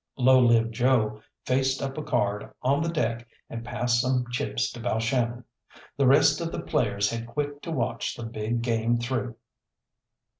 Low Lived Joe faced up a card on the deck, and passed some chips to Balshannon. The rest of the players had quit to watch the big game through.